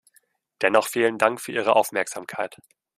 Dennoch vielen Dank für Ihre Aufmerksamkeit.